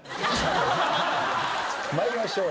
参りましょう。